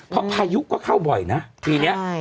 พอพายุก็เข้าบ่อยนะปีเนี้ย